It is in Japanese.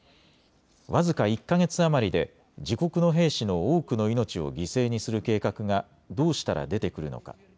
僅か１か月余りで自国の兵士の多くの命を犠牲にする計画がどうしたら出てくるのか。